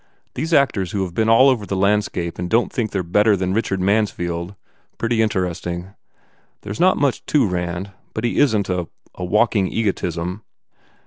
These actors who ve been all over the landscape and don t think they re 220 BUBBLE better than Richard Mansfield pretty interest ing. There s not much to Rand but he isn t a a walking egotism."